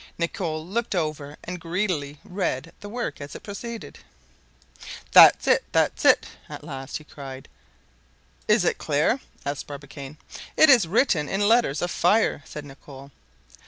Nicholl looked over and greedily read the work as it proceeded. "That's it! that's it!" at last he cried. "Is it clear?" asked Barbicane. "It is written in letters of fire," said Nicholl.